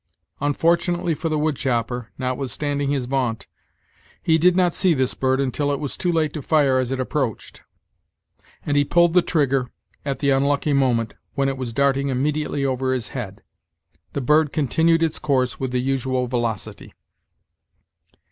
Unfortunately for the wood chopper, notwithstanding his vaunt, he did not see this bird until it was too late to fire as it approached, and he pulled the trigger at the unlucky moment when it was darting immediately over his head. The bird continued its course with the usual velocity.